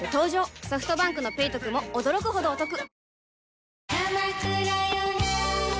ソフトバンクの「ペイトク」も驚くほどおトク